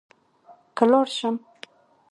که لاړ شم.